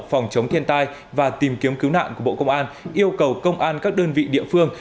phòng chống thiên tai và tìm kiếm cứu nạn của bộ công an yêu cầu công an các đơn vị địa phương